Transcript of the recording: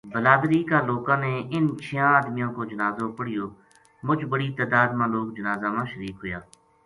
بلادری کا لوکاں نے اِنھ چھیاں ادمیاں کو جنازو پڑھیو مُچ بڑی تعداد ما لوک جنازہ ما شریک ہویا